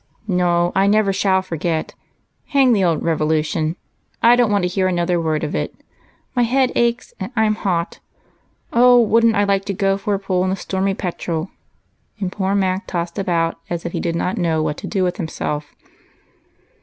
" No, I never shall forget. Hang the old ' Revolu tion !' I don't w^ant to hear another word of it. My head aches, and I'm hot. Oh, wouldn't I like to go for a pull in the ' Stormy Petrel !'" and poor Mac tossed about as if he did not know what to do with himself.